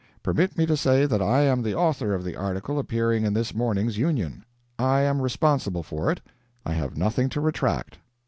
Permit me to say that I am the author of the Article appearing in this morning's Union. I am responsible for it. I have nothing to retract.